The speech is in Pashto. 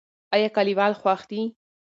ایا کلیوال خوښ دي؟